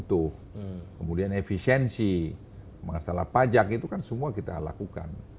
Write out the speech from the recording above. itu kemudian efisiensi masalah pajak itu kan semua kita lakukan